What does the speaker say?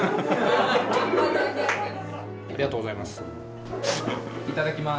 ありがとうございます。